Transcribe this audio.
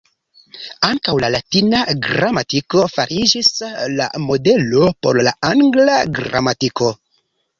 Ankaŭ la latina gramatiko fariĝis la modelo por la angla gramatiko.